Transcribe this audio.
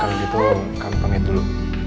kalau gitu kamu pamit dulu